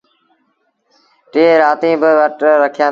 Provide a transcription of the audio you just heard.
ٽيٚه رآتيٚن پنڊ وٽ رکيآݩدي۔